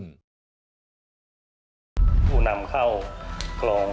สนับสนุนโดยโอลี่คัมรี่ยากที่ใครจะตามทัน